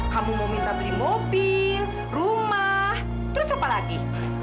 kamu mau minta beli mobil rumah terus apa lagi